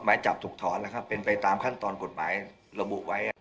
หมายจับถูกถอนแล้วครับเป็นไปตามขั้นตอนกฎหมายระบุไว้